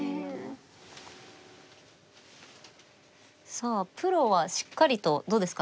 さあプロはしっかりとどうですか？